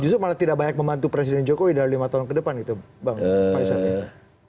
justru malah tidak banyak membantu presiden jokowi dalam lima tahun ke depan gitu bang faisal ya